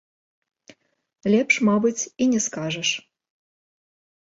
Лепш, мабыць, і не скажаш.